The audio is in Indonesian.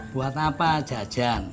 buat apa jajan